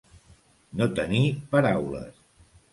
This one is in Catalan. No tenir paraules.